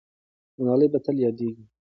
ملالۍ به تل یادېږي.